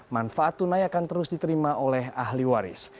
manfaat tunai akan terus diterima oleh ahli waris